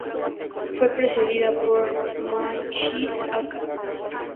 Fue precedida por "Magyar Akad.